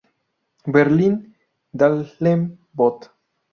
Berlin-Dahlem; Bot.